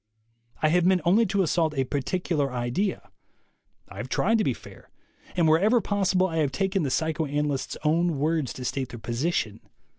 I have meant only to assault a particular idea. I have tried to be fair; and wherever possible I have taken the psychoanalysts' own words to state their position.